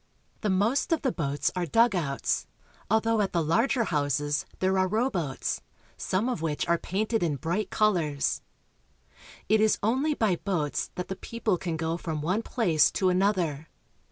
The most of the boats are dugouts, although at the larger houses there are rowboats, some of which are painted in bright colors. It is only by boats that the people can go from one place to another.